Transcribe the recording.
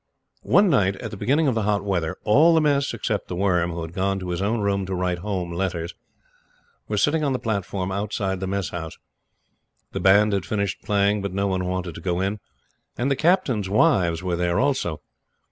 One night, at the beginning of the hot weather, all the Mess, except The Worm, who had gone to his own room to write Home letters, were sitting on the platform outside the Mess House. The Band had finished playing, but no one wanted to go in. And the Captains' wives were there also.